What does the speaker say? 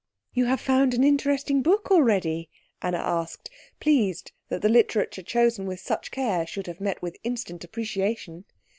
"You have found an interesting book already?" Anna asked, pleased that the literature chosen with such care should have met with instant appreciation.